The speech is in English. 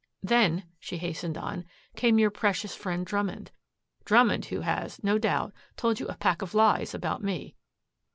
"Then," she hastened on, "came your precious friend Drummond, Drummond who has, no doubt, told you a pack of lies about me.